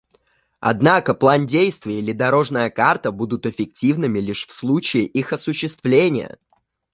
Однако план действий или «дорожная карта» будут эффективными лишь в случае их осуществления.